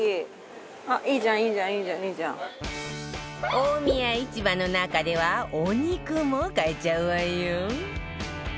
大宮市場の中ではお肉も買えちゃうわよ